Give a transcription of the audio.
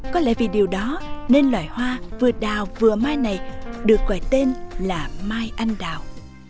có lẽ vì điều đó nên loài hoa vừa đào vừa mai này được gọi tên là mai anh đào